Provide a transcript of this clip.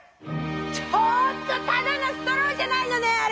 ちょっとただのストローじゃないの！